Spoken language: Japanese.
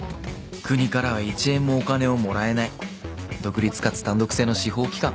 国からは一円もお金をもらえない独立かつ単独制の司法機関。